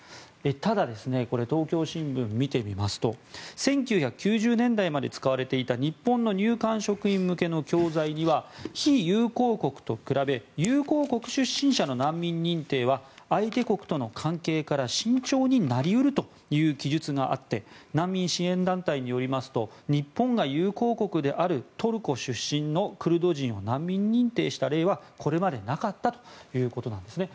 ただ、これ東京新聞を見てみますと１９９０年代使われていた日本の入管職員向けの教材には非友好国と比べ友好国出身者の難民認定は相手国との関係から慎重になり得るという記述があって難民支援団体によりますと日本が友好国であるトルコ出身のクルド人を難民認定した例は、これまでなかったということなんですね。